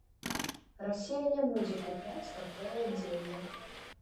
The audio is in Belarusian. Расія не будзе купляць такое адзенне.